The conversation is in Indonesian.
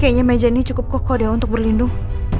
kayaknya meja ini cukup kokoh ya untuk berlindung